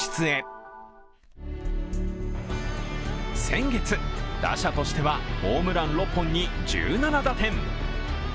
先月、打者としてはホームラン６本に１７打点。